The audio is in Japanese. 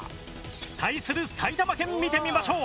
対する埼玉県見てみましょう。